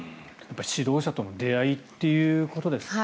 指導者との出会いということですね。